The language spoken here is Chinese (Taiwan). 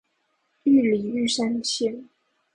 玉里玉山線